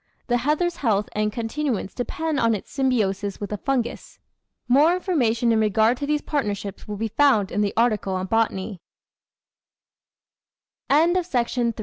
The heather's health and continuance depend on its symbiosis with a Fungus. More information in regard to these partnerships will be found in the article on BO